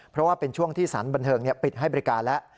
เพราะว่าเป็นช่วงที่สารบันเทิงปิดให้บริการแล้ว